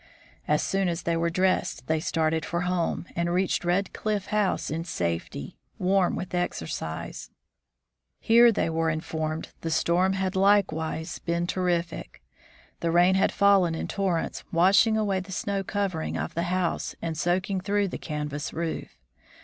As soon as they were dressed they started for home, and reached Red Cliff House in safety, warm with exercise. Here, they were informed, the storm had likewise been PEARY CROSSES GREENLAND 139 terrific. The rain had fallen in torrents, washing away the snow covering of the house and soaking through the canvas roof.